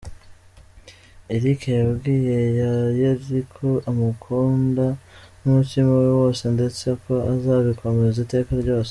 Eric yabwiye Yayeli ko amukunda n’umutima we wose ndetse ko azabikomeza iteka ryose.